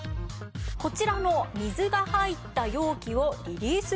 こちらの水が入った容器をリリース